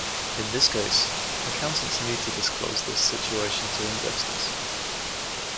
In this case, accountants need to disclose this situation to investors.